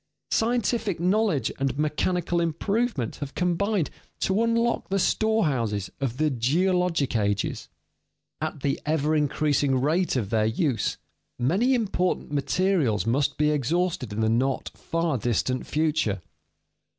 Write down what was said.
Scientific knowledge and mechanical improvement have combined to unlock the storehouses of the geologic ages. At the ever increasing rate of their use, many important materials must be exhausted in the not far distant future.